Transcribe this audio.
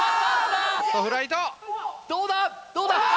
どうだ？